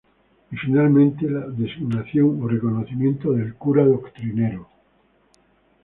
Y finalmente la designación o reconocimiento del cura doctrinero.